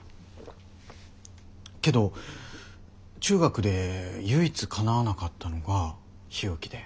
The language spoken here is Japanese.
けど中学で唯一かなわなかったのが日置で。